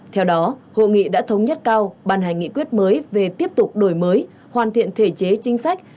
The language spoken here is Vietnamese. theo đó hội nghị đã thống nhất cao ban hành nghị quyết mới về tiếp tục đổi mới hoàn thiện thể chế chính sách